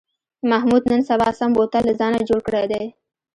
محمود نن سبا سم بوتل له ځانه جوړ کړی دی.